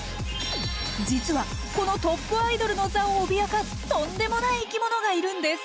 実は、このトップアイドルの座を脅かす生き物がいるんです。